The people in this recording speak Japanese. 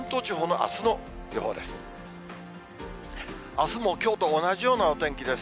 あすもきょうと同じようなお天気です。